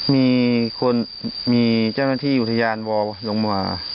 มีเจ้าหน้าที่อยู่ทะยานวอลลงมา